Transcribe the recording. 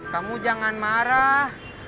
kamu jangan marah